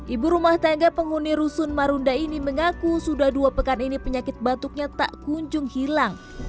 ibu rumah tangga penghuni rusun marunda ini mengaku sudah dua pekan ini penyakit batuknya tak kunjung hilang